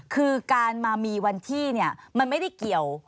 คือการมามีวันที่มันไม่ได้เกี่ยว